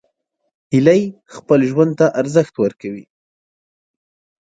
هیلۍ خپل ژوند ته ارزښت ورکوي